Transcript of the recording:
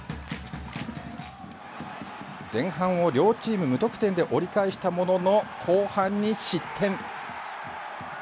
前半を両チーム無得点で折り返したものの、後半に失点。